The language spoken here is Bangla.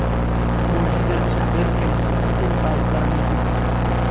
মসজিদের ছাদের ফ্রেম স্টিল পাইপ দ্বারা নির্মিত।